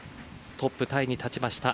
トップタイに立ちました